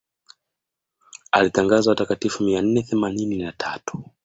alitangaza watakatifu mia nne themanini na tatu